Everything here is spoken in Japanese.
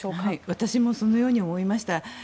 私もそのように思いました。